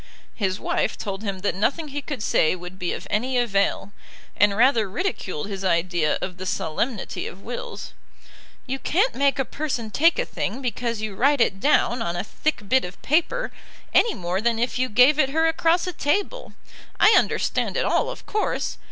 His wife told him that nothing he could say would be of any avail, and rather ridiculed his idea of the solemnity of wills. "You can't make a person take a thing because you write it down on a thick bit of paper, any more than if you gave it her across a table. I understand it all, of course.